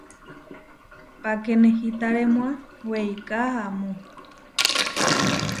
Páke nehitarémua weiká amó.